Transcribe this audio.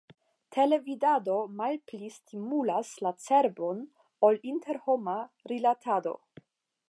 Televidado malpli stimulas la cerbon ol interhoma rilatado!